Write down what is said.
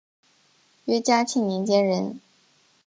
约嘉庆年间人。